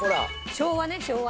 昭和ね昭和。